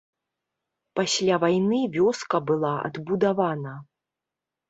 Пасля вайны вёска была адбудавана.